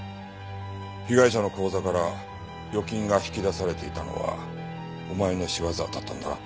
被害者の口座から預金が引き出されていたのはお前の仕業だったんだな？